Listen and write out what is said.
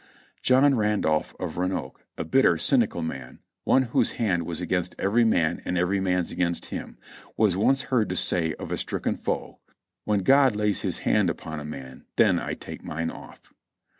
John Randolph of Roanoke, a bitter, cynical man. one whose hand was against every man and every man's against him, was once heard to say of a stricken foe, "When God lays his hand upon a man then I take mine off."